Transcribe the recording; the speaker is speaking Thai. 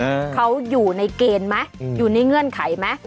เขาอยู่ในเกณฑ์ไหมอืมอยู่ในเงื่อนไขไหม